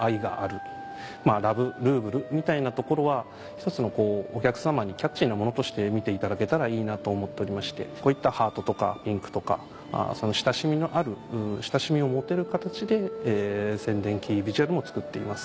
「ＬＯＶＥルーヴル」みたいなところは一つのお客さまにキャッチーなものとして見ていただけたらいいなと思っておりましてこういったハートとかピンクとか親しみのある親しみを持てる形で宣伝キービジュアルも作っています。